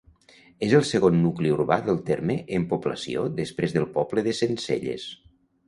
És el segon nucli urbà del terme en població després del poble de Sencelles.